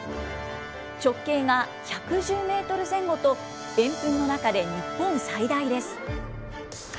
直径が１１０メートル前後と、円墳の中で日本最大です。